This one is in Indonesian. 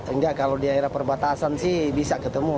enggak kalau di daerah perbatasan sih bisa ketemu